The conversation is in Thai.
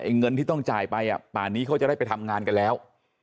เงินที่ต้องจ่ายไปป่านนี้เขาจะได้ไปทำงานกันแล้ว